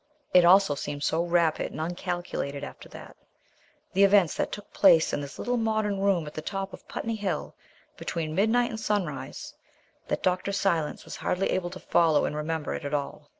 It all seemed so rapid and uncalculated after that the events that took place in this little modern room at the top of Putney Hill between midnight and sunrise that Dr. Silence was hardly able to follow and remember it all.